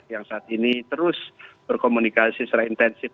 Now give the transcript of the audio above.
yang saat ini terus berkomunikasi secara intensif